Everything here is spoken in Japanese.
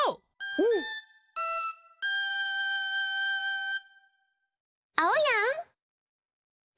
うん！あおやん。